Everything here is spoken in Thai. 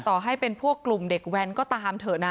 ต่อให้เป็นพวกกลุ่มเด็กแว้นก็ตามเถอะนะ